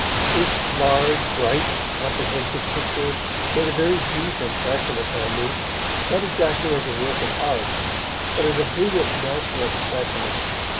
This large, bright, comprehensive picture made a very deep impression upon me, not exactly as a work of art, but as a brilliant natural specimen.